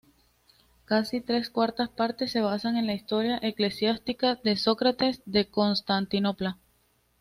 Casi tres cuartas partes se basan en la "Historia Ecclesiastica" de Sócrates de Constantinopla.